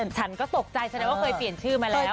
ฉันก็ตกใจแสดงว่าเคยเปลี่ยนชื่อมาแล้ว